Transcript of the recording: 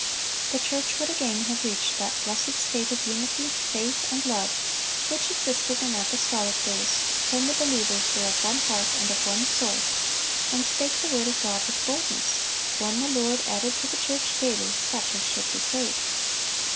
The church would again have reached that blessed state of unity, faith, and love, which existed in apostolic days, when the believers "were of one heart and of one soul," and "spake the word of God with boldness," when "the Lord added to the church daily such as should be saved."